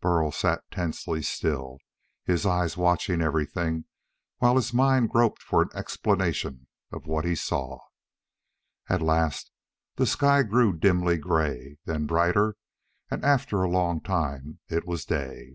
Burl sat tensely still, his eyes watching everything while his mind groped for an explanation of what he saw. At last the sky grew dimly gray, then brighter, and after a long time it was day.